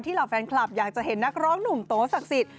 เหล่าแฟนคลับอยากจะเห็นนักร้องหนุ่มโตศักดิ์สิทธิ